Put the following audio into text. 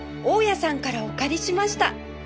大家さんからお借りしました